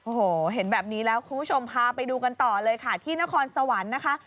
โอ้โหเห็นแบบนี้แล้วคุณผู้ชมพาไปดูกันต่อเลยค่ะที่นครสวรรค์นะคะ